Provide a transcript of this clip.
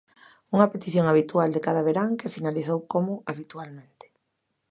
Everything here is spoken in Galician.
Unha petición habitual de cada verán que finalizou como habitualmente.